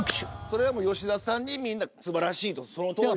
それは吉田さんにみんな素晴らしいとそのとおりだと。